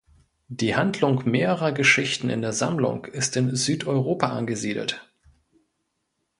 Die Handlung mehrerer Geschichten in der Sammlung ist in Südeuropa angesiedelt.